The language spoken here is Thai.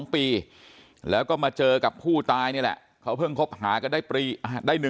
๒ปีแล้วก็มาเจอกับผู้ตายนี่แหละเขาเพิ่งคบหากันได้ปีได้๑